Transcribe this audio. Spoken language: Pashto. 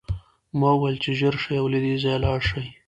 ما وویل چې ژر شئ او له دې ځایه لاړ شئ